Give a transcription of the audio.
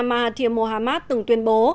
mahathir mohamad từng tuyên bố